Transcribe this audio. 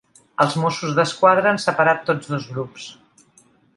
Els mossos d’esquadra han separat tots dos grups.